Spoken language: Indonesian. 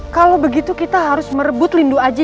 kalau begitu kita harus merebut lindu aja